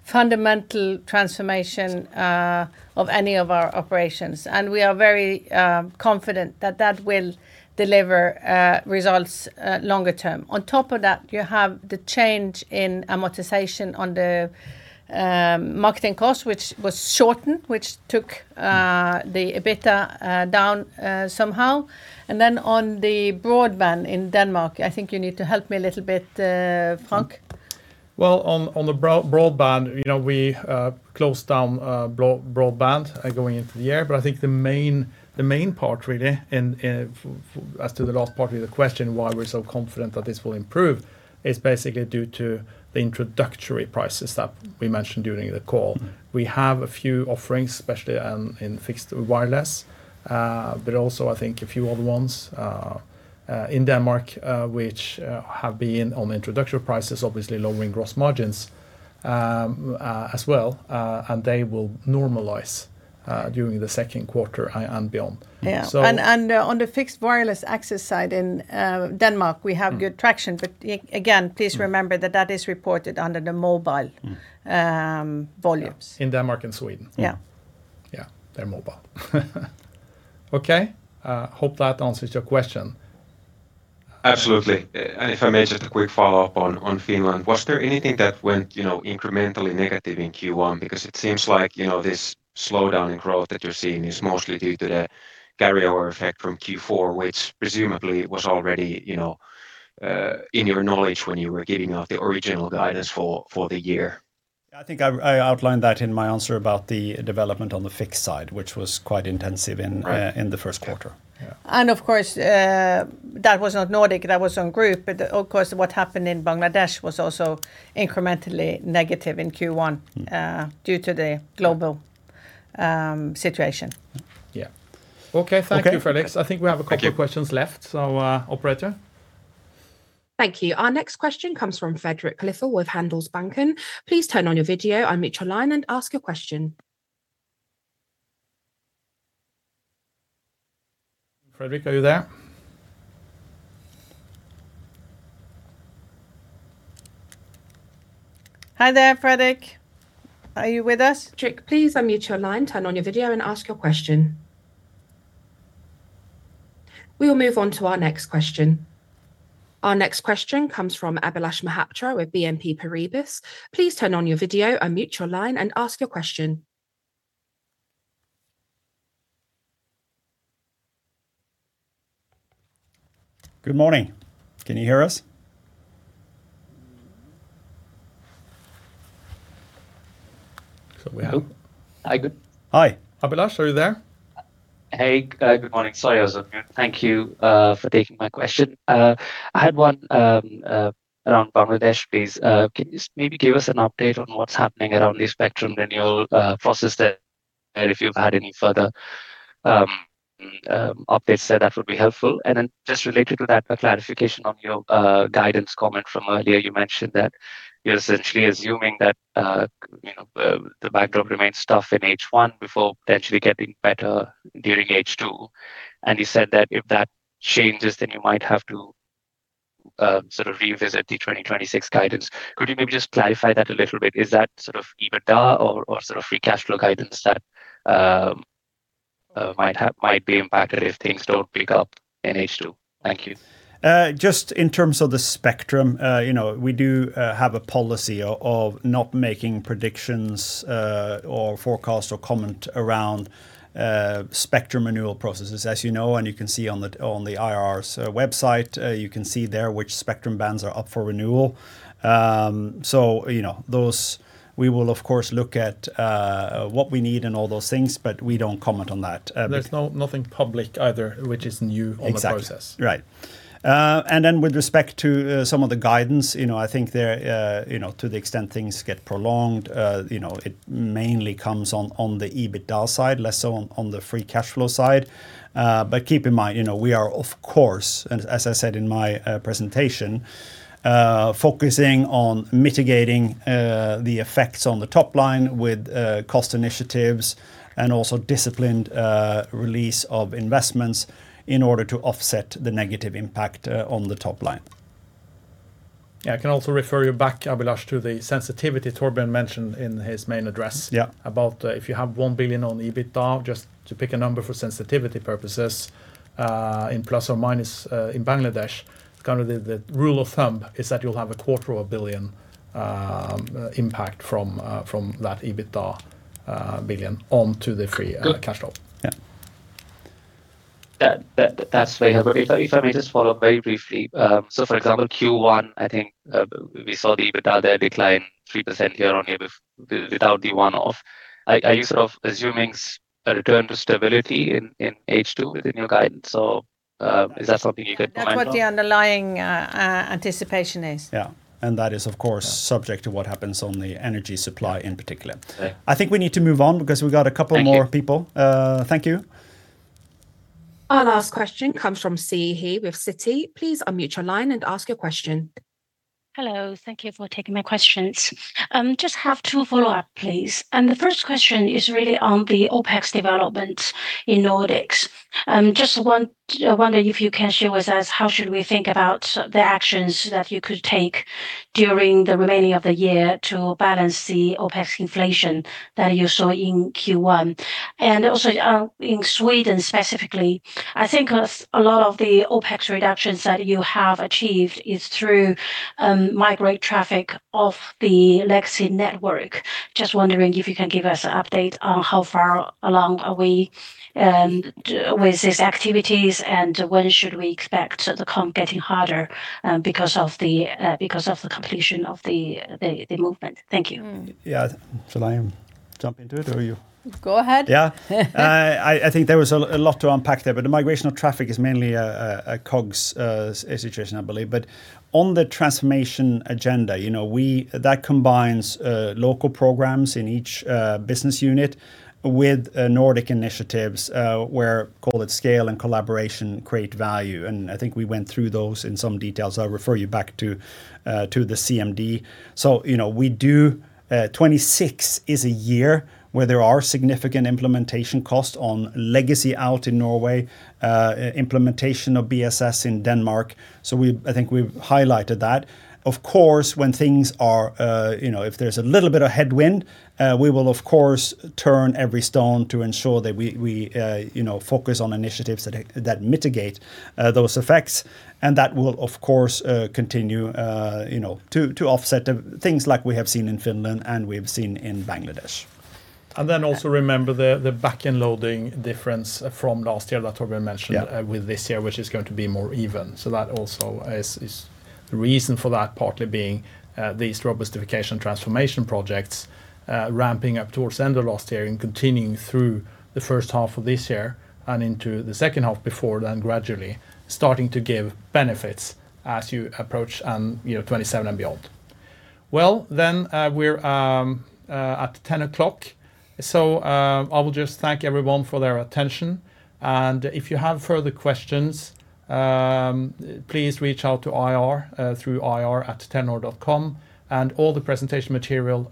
fundamental transformation of any of our operations. We are very confident that will deliver results longer term. On top of that, you have the change in amortization on the marketing cost, which was shortened, which took the EBITDA down somehow. On the broadband in Denmark, I think you need to help me a little bit, Frank. Well, on the broadband, you know, we closed down broadband going into the year. I think the main part really in as to the last part of the question, why we're so confident that this will improve, is basically due to the introductory prices that we mentioned during the call. We have a few offerings, especially in fixed wireless, but also, I think a few other ones in Denmark, which have been on introductory prices, obviously lowering gross margins as well, and they will normalize during the Q2 and beyond. Yeah. So- On the fixed wireless access side in Denmark, we have good traction. Again, please remember that is reported under the mobile volumes. Yeah. In Denmark and Sweden. Yeah. Yeah. They're mobile. Okay, hope that answers your question. Absolutely. If I may, just a quick follow-up on Finland. Was there anything that went, you know, incrementally negative in Q1? Because it seems like, you know, this slowdown in growth that you're seeing is mostly due to the carry-over effect from Q4, which presumably was already, you know, in your knowledge when you were giving out the original guidance for the year. I think I outlined that in my answer about the development on the fixed side, which was quite intensive in the Q1. Yeah. Of course, that was not Nordic, that was on Group. Of course, what happened in Bangladesh was also incrementally negative in Q1 due to the global situation. Yeah. Okay. Okay. Thank you, Felix. I think we have a couple questions left. Thank you. Operator. Thank you. Our next question comes from Fredrik Lithell with Handelsbanken. Please turn on your video, unmute your line, and ask your question. Fredrik, are you there? Hi there, Fredrik. Are you with us? Fredrik, please unmute your line, turn on your video, and ask your question. We will move on to our next question. Our next question comes from Abhilash Mohapatra with BNP Paribas. Please turn on your video, unmute your line, and ask your question. Good morning. Can you hear us? We have. Hello. Hi, good. Hi. Abhilash, are you there? Hey, good morning. Sorry I was off mute. Thank you for taking my question. I had one around Bangladesh, please. Can you just maybe give us an update on what's happening around the spectrum renewal process there. If you've had any further updates there, that would be helpful. Just related to that, a clarification on your guidance comment from earlier. You mentioned that you're essentially assuming that, you know, the backdrop remains tough in H1 before potentially getting better during H2. You said that if that changes, then you might have to sort of revisit the 2026 guidance. Could you maybe just clarify that a little bit? Is that sort of EBITDA or sort of free cash flow guidance that might be impacted if things don't pick up in H2? Thank you. Just in terms of the spectrum, you know, we do have a policy of not making predictions or forecasts or comment around spectrum renewal processes, as you know and you can see on the IR's website. You can see there which spectrum bands are up for renewal. You know, those we will of course look at what we need and all those things, but we don't comment on that, be- There's nothing public either which is new on the process. Exactly. Right. With respect to some of the guidance, you know, I think there, you know, to the extent things get prolonged, you know, it mainly comes on the EBITDA side, less so on the free cash flow side. Keep in mind, you know, we are of course, as I said in my presentation, focusing on mitigating the effects on the top line with cost initiatives and also disciplined release of investments in order to offset the negative impact on the top line. Yeah, I can also refer you back, Abhilash, to the sensitivity Torbjørn mentioned in his main address. Yeah. About if you have 1 billion on EBITDA, just to pick a number for sensitivity purposes, in plus or minus, in Bangladesh, kind of the rule of thumb is that you'll have a quarter of a billion impact from that EBITDA billion onto the free- Good cash flow. Yeah. That's very helpful. If I may just follow up very briefly. For example, Q1, I think we saw the EBITDA there decline 3% year-on-year without the one-off. Are you sort of assuming a return to stability in H2 within your guidance, or is that something you could comment on? That's what the underlying anticipation is. Yeah. That is of course subject to what happens on the energy supply in particular. Okay. I think we need to move on because we've got a couple more people. Thank you. Thank you. Our last question comes from Siyi He with Citi. Please unmute your line and ask your question. Hello. Thank you for taking my questions. Just have two follow-ups, please. The first question is really on the OpEx development in Nordics. Just wonder if you can share with us how should we think about the actions that you could take during the remaining of the year to balance the OpEx inflation that you saw in Q1? Also, in Sweden specifically, I think a lot of the OpEx reductions that you have achieved is through migrate traffic of the legacy network. Just wondering if you can give us an update on how far along are we with these activities, and when should we expect the comps getting harder because of the completion of the movement. Thank you. Mm. Yeah. Shall I jump into it or you- Go ahead. Yeah. I think there was a lot to unpack there, but the migration of traffic is mainly a COGS situation, I believe. On the transformation agenda, you know, that combines local programs in each business unit with Nordic initiatives, where call it scale and collaboration create value, and I think we went through those in some detail, so I refer you back to the CMD. You know, we do, 2026 is a year where there are significant implementation costs on legacy rollout in Norway, implementation of BSS in Denmark, so I think we've highlighted that. Of course, when things are, you know, if there's a little bit of headwind, we will of course turn every stone to ensure that we, you know, focus on initiatives that mitigate those effects. That will of course continue, you know, to offset the things like we have seen in Finland and we've seen in Bangladesh. Also remember the backend loading difference from last year that Torbjørn mentioned. Yeah with this year, which is going to be more even. That also is the reason for that partly being these robustification transformation projects ramping up towards end of last year and continuing through the H1 of this year and into the H2 before then gradually starting to give benefits as your approach, you know, 2027 and beyond. Well, then, we're at 10:00 A.M., so I will just thank everyone for their attention. If you have further questions, please reach out to IR through ir@telenor.com, and all the presentation material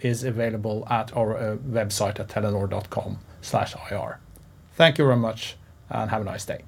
is available at our website at telenor.com/ir. Thank you very much and have a nice day.